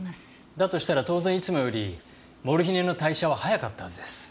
だとしたら当然いつもよりモルヒネの代謝は早かったはずです。